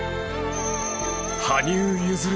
羽生結弦